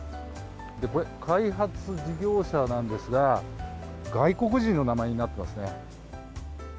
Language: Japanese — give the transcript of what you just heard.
これ、開発事業者なんですが、外国人の名前になってますね。